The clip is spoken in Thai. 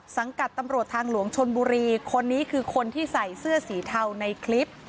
กับตำรวจทางหลวงชนบุรีคนนี้คือคนที่ใส่เสื้อสีเทาในคลิป